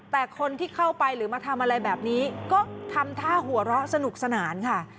แต่คนที่เข้าไปหรือมาทำอะไรแบบนี้ก็ทำท่าหัวเราะสนุกสนานค่ะ